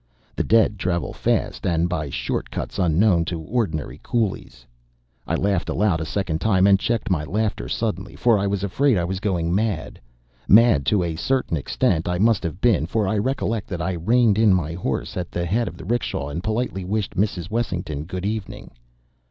The dead travel fast, and by short cuts unknown to ordinary coolies. I laughed aloud a second time and checked my laughter suddenly, for I was afraid I was going mad. Mad to a certain extent I must have been, for I recollect that I reined in my horse at the head of the 'rickshaw, and politely wished Mrs. Wessington "Good evening."